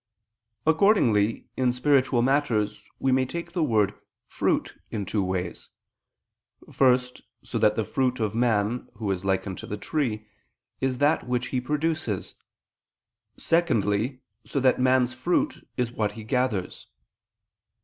Accordingly, in spiritual matters, we may take the word "fruit" in two ways: first, so that the fruit of man, who is likened to the tree, is that which he produces; secondly, so that man's fruit is what he gathers.